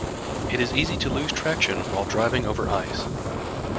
It is easy to lose traction while driving over ice.